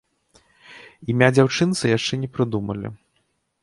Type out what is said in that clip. Імя дзяўчынцы яшчэ не прыдумалі.